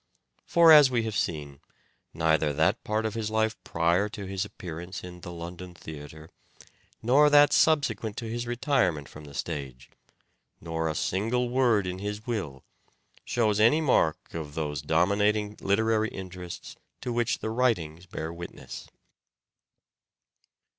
For as we have seen, neither that part of his life prior to his appearance in the London theatre, nor that subsequent to his retirement from the stage, nor a single word in his will, shows any mark of those dominating literary interests to which the writings bear witness.